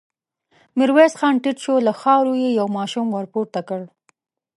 ميرويس خان ټيټ شو، له خاورو يې يو ماشوم ور پورته کړ.